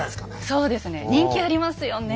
そうですね人気ありますよね